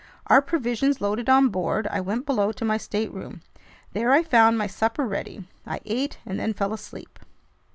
Our provisions loaded on board, I went below to my stateroom. There I found my supper ready. I ate and then fell asleep.